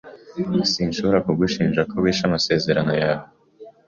Sinshobora kugushinja ko wishe amasezerano yawe.